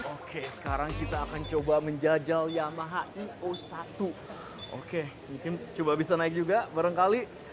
oke mungkin coba bisa naik juga barengkali